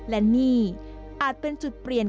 และนี่อาจเป็นจุดเปลี่ยน